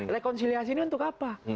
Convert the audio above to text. rekonsiliasi ini untuk apa